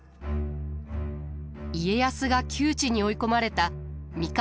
家康が窮地に追い込まれた三河